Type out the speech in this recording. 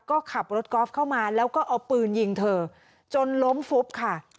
ก็ขับรถกอล์ฟเข้ามาแล้วก็เอาปืนยิงเธอจนล้มฟุบค่ะ